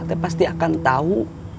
apathe pasti akan tahu